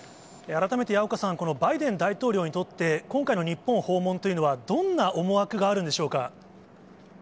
改めて矢岡さん、このバイデン大統領にとって、今回の日本訪問というのは、どんな思惑があるんでしょうか。